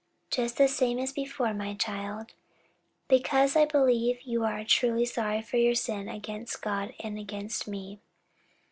"Just the same as before, my child; because I believe you are truly sorry for your sin against God and against me."